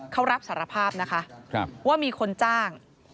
เขารับสารภาพนะคะว่ามีคนจ้าง